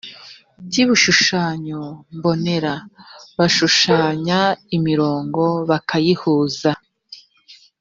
by ibishushanyo mbonera bashushanya imirongo bakayihuza